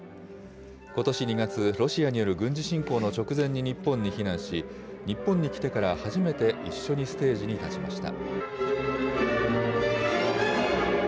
ことし２月、ロシアによる軍事侵攻の直前に日本に避難し、日本に来てから初めて一緒にステージに立ちました。